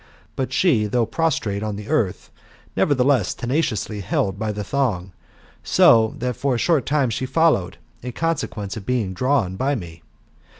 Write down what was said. But she, though prostrate on the earth, nevertheless tenaciously held by the thong, so thiat for a short time she followed, in consequence of being drawn by me.